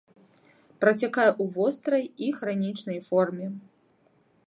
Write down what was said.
Працякае ў вострай і хранічнай форме.